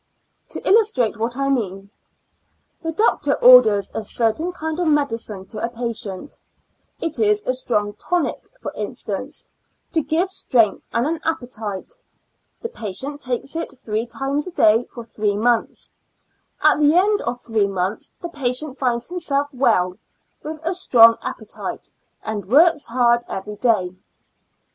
To illustrate what I mean : The doctor orders a certain kind of medicine to a patient ; it is a strong tonic, for instance, to give strength and an appe tite; the patient takes it three times a day for three months ; at the end of three months the patient finds himself well, with a strong appetite, and works hard every day.